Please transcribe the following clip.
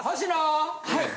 はい！